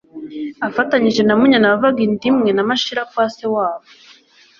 afatanyije na Munyana wavaga inda imwe na Mashira kwa se wabo,